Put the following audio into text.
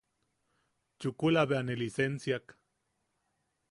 Chukula bea ne lisensiak.